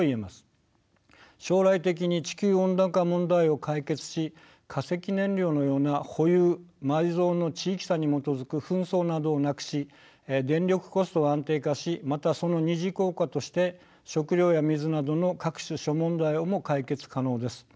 将来的に地球温暖化問題を解決し化石燃料のような保有埋蔵の地域差に基づく紛争などをなくし電力コストを安定化しまたその２次効果として食料や水などの各種諸問題をも解決可能です。